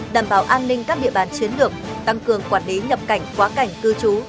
đảm bảo an ninh các địa bàn chiến lược tăng cường quản lý nhập cảnh quá cảnh cư trú